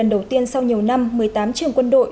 đầu tiên sau nhiều năm một mươi tám trường quân đội